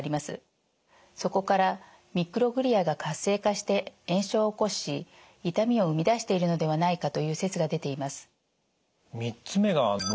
そこからミクログリアが活性化して炎症を起こし痛みを生み出しているのではないかという説が出ています。